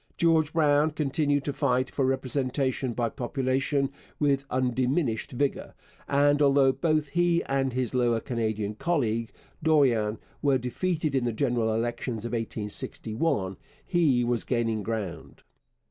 George Brown continued to fight for representation by population with undiminished vigour, and although both he and his Lower Canadian colleague, Dorion, were defeated in the general elections of 1861, he was gaining ground.